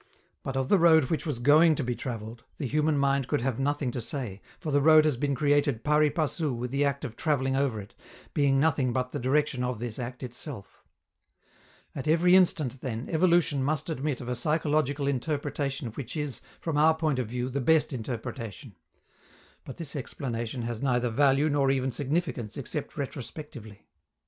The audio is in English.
But, of the road which was going to be traveled, the human mind could have nothing to say, for the road has been created pari passu with the act of traveling over it, being nothing but the direction of this act itself. At every instant, then, evolution must admit of a psychological interpretation which is, from our point of view, the best interpretation; but this explanation has neither value nor even significance except retrospectively.